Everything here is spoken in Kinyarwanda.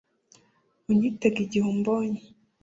Unyitege igihe umbonye